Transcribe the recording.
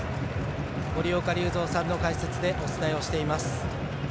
森岡隆三さんの解説でお伝えしています。